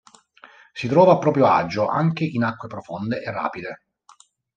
Si trova a proprio agio anche in acque profonde e rapide.